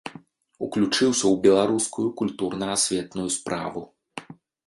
Уключыўся ў беларускую культурна-асветную справу.